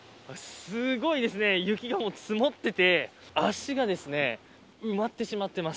すごい雪が積もっていて足が埋まってしまっています。